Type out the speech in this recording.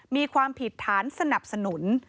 มีความผิดฐานสนับสนุน